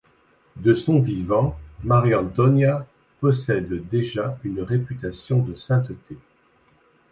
De son vivant, Mariantonia possède déjà une réputation de sainteté.